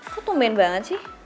kok tumben banget sih